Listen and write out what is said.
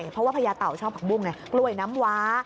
เพราะว่าพญาตาวชอบผักบุ้งเนี่ยกล้วยน้ำวา